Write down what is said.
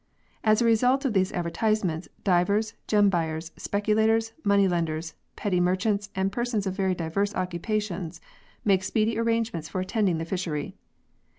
As a result of these advertise ments divers, gem buyers, speculators, moneylenders, petty merchants and persons of very diverse occupa tions, make speedy arrangements for attending the fishery.